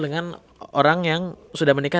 dengan orang yang sudah menikah